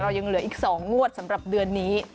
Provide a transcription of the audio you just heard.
ยังเหลืออีก๒งวดสำหรับเดือนนี้